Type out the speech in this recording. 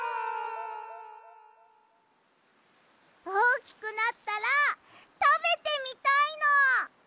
おおきくなったらたべてみたいの！